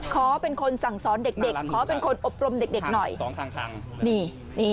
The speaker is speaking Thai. ขอเป็นคนสั่งสอนเด็กขอเป็นคนอบรมเด็กหน่อย